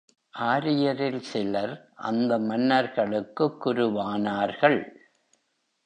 ஆரியரில் சிலர் அந்த மன்னர்களுக்குக் குருவானார்கள்.